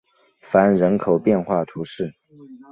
凡人口变化图示